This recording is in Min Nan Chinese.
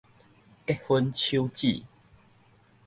結婚手指